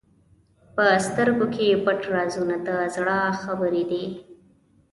په سترګو کې پټ رازونه د زړه خبرې دي.